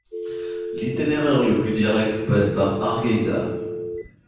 L'itinéraire le plus direct passe par Hargeisa.